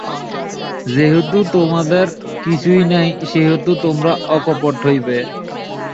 যেহেতু তোমাদের কিছুই নাই, সেহেতু তোমরা অকপট হইবে।